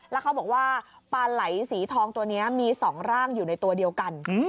แล้วเขาบอกว่าปลาไหลสีทองตัวนี้มี๒ร่างอยู่ในตัวเดียวกัน